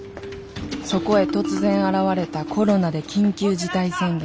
そこへ突然現れたコロナで緊急事態宣言。